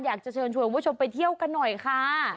อยากจะเชิญชวนคุณผู้ชมไปเที่ยวกันหน่อยค่ะ